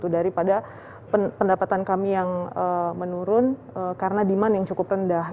daripada pendapatan kami yang menurun karena demand yang cukup rendah